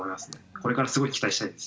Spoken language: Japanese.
これからすごい期待したいです。